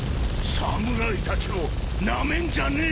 侍たちをなめんじゃねえぞ！